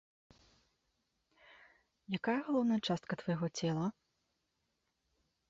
Якая галоўная частка твайго цела?